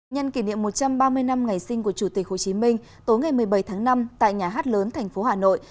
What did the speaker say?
nhân kỷ niệm một trăm ba mươi năm ngày sinh của chủ tịch hồ chí minh tối ngày một mươi bảy tháng năm tại nhà hát lớn thành phố hà nội